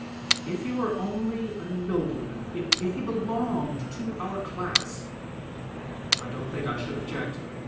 ... If he were only a nobleman — ^if he belonged to our class, I don't think I should object.